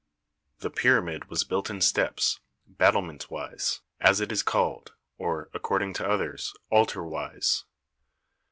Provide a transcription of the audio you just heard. The pyramid was built in steps, battlement wise, as it is called, or, according to others, altar wise.